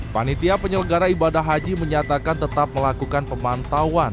panitia penyelenggara ibadah haji menyatakan tetap melakukan pemantauan